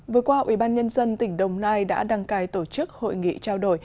vừa qua ủy ban nhân dân tỉnh đồng nai đã đăng cài tổ chức hội nghị trao đổi